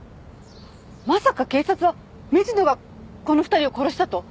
まさか警察は水野がこの２人を殺したと？